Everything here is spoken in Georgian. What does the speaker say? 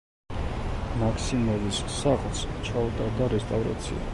მაქსიმოვის სახლს ჩაუტარდა რესტავრაცია.